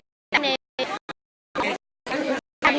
มีแต่โดนล้าลาน